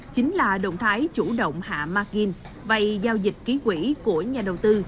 chính là động thái chủ động hạ margin vậy giao dịch ký quỷ của nhà đầu tư